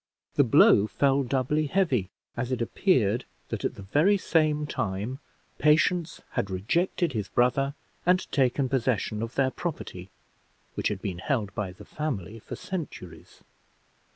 The blow fell doubly heavy, as it appeared that at the very same time Patience had rejected his brother, and taken possession of their property, which had been held by the family for centuries.